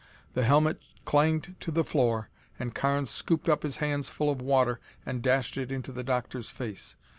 The helmet clanged to the floor and Carnes scooped up his hands full of water and dashed it into the Doctor's face.